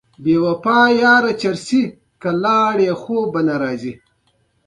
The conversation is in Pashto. بلغاریایي متل وایي زور ښه پایله نه ورکوي.